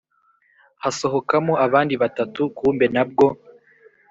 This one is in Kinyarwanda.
hasohokamo bandi batatu kumbe nabwo